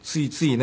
ね